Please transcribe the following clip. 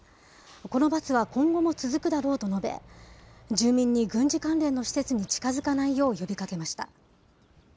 この罰は今後も続くだろうと述べ、住民に軍事関連の施設に近づかないよう呼びかけました。